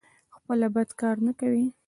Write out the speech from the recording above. خپله بد کار نه کوي.